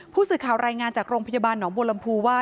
ผู้สื่อข่าวรายงานจากโรงพยาบาลหนองบัวลำพูว่า